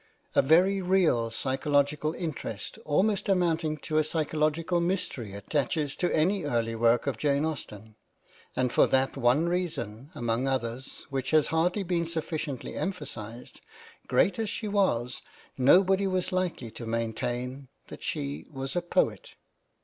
A very real psychological interest, almost amounting to a psychological mystery, attaches to any early work of Jane Austen. And for that one reason, among others, which has hardly been sufficiently emphasised. Great as she was, nobody was likely to maintain that she was a poet.